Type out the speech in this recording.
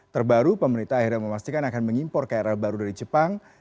terbaru pemerintah akhirnya memastikan akan mengimpor krl baru dari jepang